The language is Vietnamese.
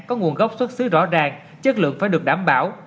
có nguồn gốc xuất xứ rõ ràng chất lượng phải được đảm bảo